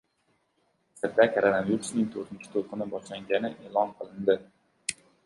Misrda koronavirusning to‘rtinchi to‘lqini boshlangani e’lon qilindi